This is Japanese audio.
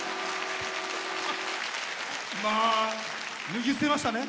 脱ぎ捨てましたね